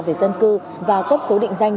về dân cư và cấp số định danh